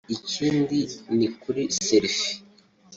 ikindi ni kuri selfie